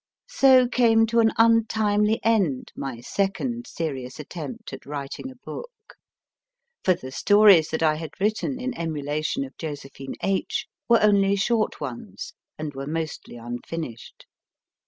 So came to an untimely end my second serious attempt at writing a book ; for the stories that I had written in emulation of Josephine H were only short ones, and were mostly unfinished.